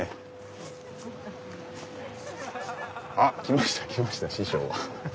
あっ来ました来ました師匠が。